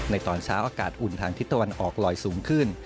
ตอนเช้าอากาศอุ่นทางทิศตะวันออกลอยสูงขึ้น